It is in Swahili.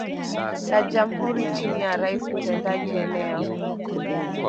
la jamhuri chini ya rais mtendaji Eneo